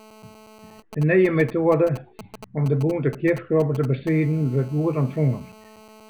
De nije metoade om de bûnte kjifkrobbe te bestriden, wurdt goed ûntfongen.